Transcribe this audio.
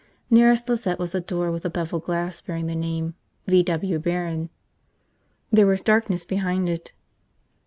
Nearest Lizette was a door with a beveled glass bearing the name, "V. W. Barron." There was darkness behind it.